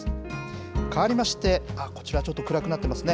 かわりまして、こちらはちょっと暗くなってますね。